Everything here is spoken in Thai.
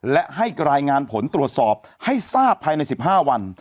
และให้รายงานผลตรวจสอบให้ทราบภายใน๑๕วัน